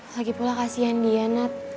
lagipula kasihan dia nat